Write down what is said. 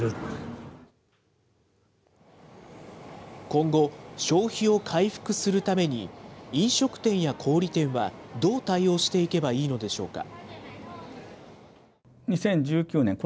今後、消費を回復するために、飲食店や小売り店はどう対応していけばいいのでしょうか。